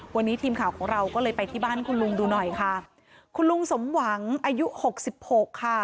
วันนี้ทีมข่าวของเราก็เลยไปที่บ้านคุณลุงดูหน่อยค่ะคุณลุงสมหวังอายุหกสิบหกค่ะ